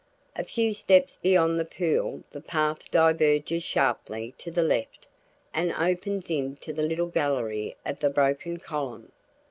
A few steps beyond the pool the path diverges sharply to the left and opens into the little gallery of the broken column.